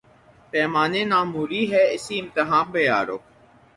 پیمان ء ناموری ہے، اسی امتحاں پہ یارو